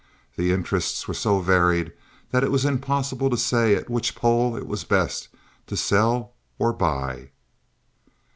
The interests were so varied that it was impossible to say at which pole it was best to sell or buy.